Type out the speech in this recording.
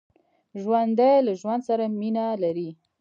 ژوندي له ژوند سره مینه لري